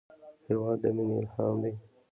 هېواد د مینې الهام دی.